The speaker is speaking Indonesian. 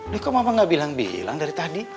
nih kok mama nggak bilang bilang dari tadi